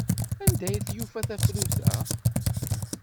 Anda ay yufa tafrut-a?